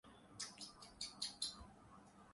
England اور Sweden کی quarter final میں رسائی مداحوں کا جشن